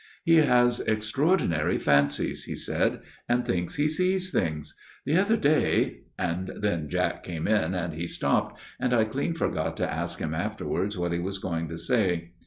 "' He has extraordinary fancies,' he said, ' and thinks he sees things. The other day and then Jack came in, and he stopped, and I clean forgot to ask him afterwards what he was going to say.